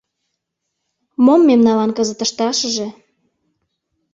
Мом мемналан кызыт ышташыже?